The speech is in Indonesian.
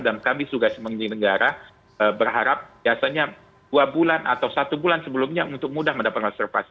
dan kami sudah semenjeng negara berharap biasanya dua bulan atau satu bulan sebelumnya untuk mudah mendapatkan reservasi